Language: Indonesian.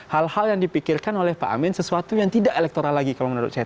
hal hal yang dipikirkan oleh pak amin sesuatu yang tidak elektoral lagi kalau menurut saya